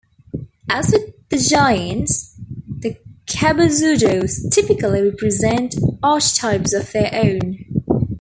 As with the giants, the cabezudos typically represent archetypes of their town.